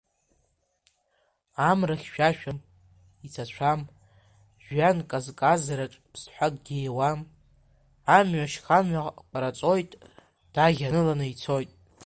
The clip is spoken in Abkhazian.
Амра хьшәашәам, ицацәам, жәҩан казказраҿ ԥсҭҳәак гииуам, амҩа-шьхамҩа кәараҵоит, даӷь аныланы ицоит.